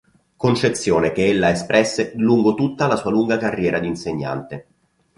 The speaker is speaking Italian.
Concezione che ella espresse lungo tutta la sua lunga carriera di insegnante.